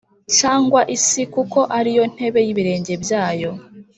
cyangwa isi kuko ari yo ntebe y’ibirenge byayo